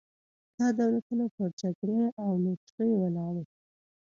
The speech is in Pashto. دا دولتونه پر جګړې او لوټرۍ ولاړ وو.